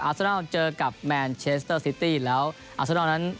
อัลเซียนัลเจอกับแมนเชสเตอร์ตรีที่แล้วหัวหัวละนั้น